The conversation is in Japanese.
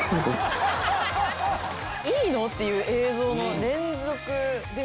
いいの？っていう映像の連続で。